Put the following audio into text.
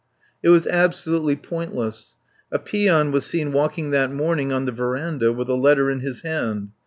It was absolutely pointless. A peon was seen walking that morning on the verandah with a letter in his hand.